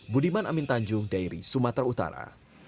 budiman amin tanjung dairi sumatera utara